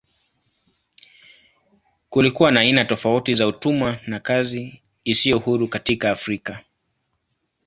Kulikuwa na aina tofauti za utumwa na kazi isiyo huru katika Afrika.